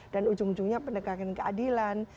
dan ujung ujungnya penegakan keadilan